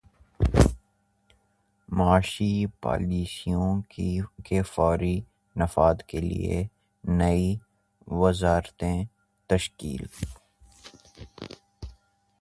معاشی پالیسیوں کے فوری نفاذ کیلئے نئی وزارتیں تشکیل